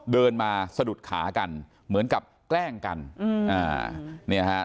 เดินมาสะดุดขากันเหมือนกับแกล้งกันอืมอ่าเนี่ยฮะ